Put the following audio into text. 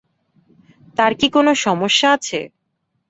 তার কি কোনো সমস্যা আছে?